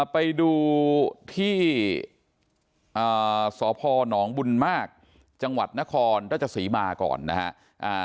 ไปดูที่สพนบุญมากจังหวัดนครราชศรีมาก่อนนะครับ